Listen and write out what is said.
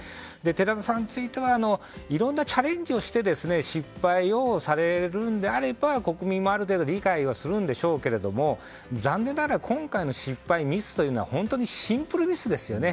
岸田総理についてはいろんなチャレンジをされて失敗をされるのであれば国民もある程度理解はするんでしょうが残念ながら今回のミスというのはシンプルなミスですよね。